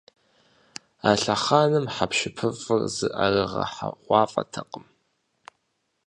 А лъэхъэнэм хьэпшыпыфӏыр зыӏэрыгъэхьэгъуафӏэтэкъым.